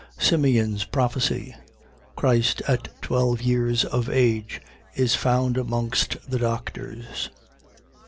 Simeon's prophecy. Christ at twelve years of age, is found amongst the doctors.